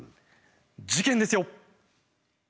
事件ですよ。